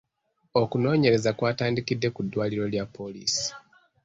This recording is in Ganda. Okunoonyereza kwatandikidde ku ddwaliro lya poliisi.